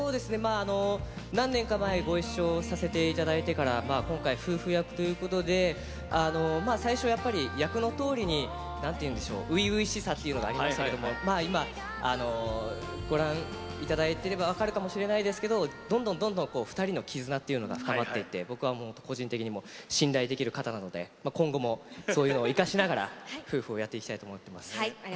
何年か前ご一緒させていただいてから今回、夫婦役ということで最初、やっぱり役のとおりに初々しさっていうのがありましたけど今、ご覧いただいていれば分かるかもしれないですけどどんどん、２人の絆というのが深まっていて僕は個人的にも信頼できる方なので今後もそういうのを生かしながら夫婦をやっていきたいと思います。